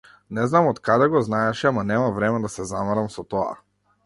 Не знам од каде го знаеше ама немав време да се замарам со тоа.